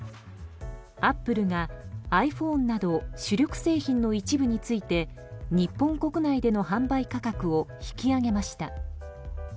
アップルがｉＰｈｏｎｅなど主力製品の一部について日本国内での販売価格を引き上げました。